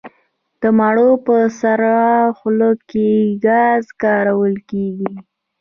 د مڼو په سړه خونه کې ګاز کارول کیږي؟